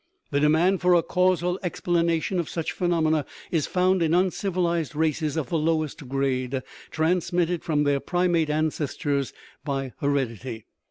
The demand for a causal explanation of such phenomena is found in uncivilized races of the lowest grade, transmitted from their primate ancestors by heredity.